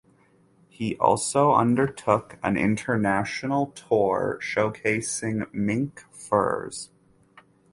He also undertook an international tour showcasing mink furs.